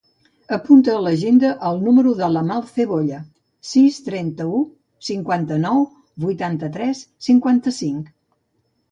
Apunta a l'agenda el número de l'Amal Cebolla: sis, trenta-u, cinquanta-nou, vuitanta-tres, cinquanta-cinc.